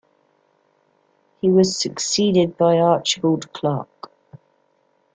He was succeeded by Archibald Clark.